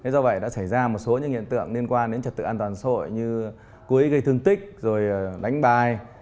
do vậy đã xảy ra một số những hiện tượng liên quan đến trật tự an toàn sội như cuối gây thương tích rồi đánh bài